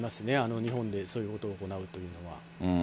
日本でそういうことを行うというのは。